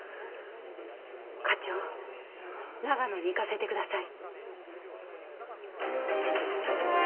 課長長野に行かせてください。